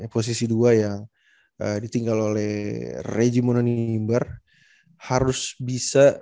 posisi dua yang ditinggal oleh regi mononimber harus bisa